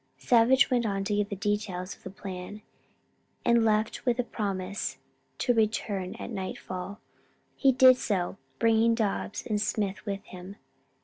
Savage went on to give the details of the plan, then left with a promise to return at night fall. He did so, bringing Dobbs and Smith with him.